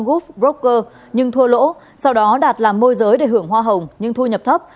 goof broker nhưng thua lỗ sau đó đạt làm môi giới để hưởng hoa hồng nhưng thu nhập thấp